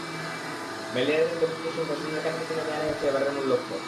ম্যালেরিয়াজনিত মৃত্যুর সংখ্যা শূন্যের কাছাকাছি নামিয়ে আনাই হচ্ছে এবারের মূল লক্ষ্য।